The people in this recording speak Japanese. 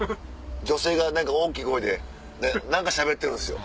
女性が何か大きい声で何かしゃべってるんですよ。